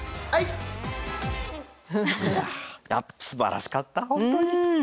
すばらしかった本当に。